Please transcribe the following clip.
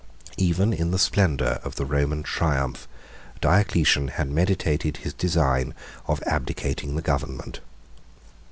Even in the splendor of the Roman triumph, Diocletian had meditated his design of abdicating the government.